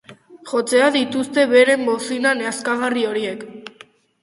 Jotzea dituzte beren bozina nazkagarri horiek.